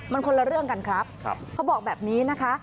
มันคนละเรื่องกันครับเขาบอกแบบนี้นะคะ